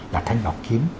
là thanh bảo kiến